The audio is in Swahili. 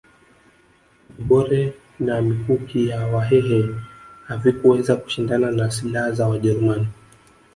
Gobore na mikuki ya wahehe havikuweza kushindana na silaha za wajerumani